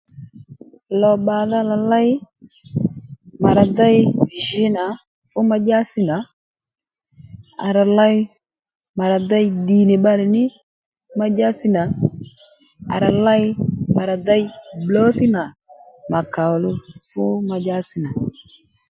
Lò bbà-dha rà ley mà ra dey jǐnà fú madyási nà à rà ley mà ra dey ddì nì bbalè ní madyási nà à rà ley mà ra dey Bblǒthíy nà mà kàòluw fú madyási nà